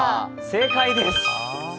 正解です。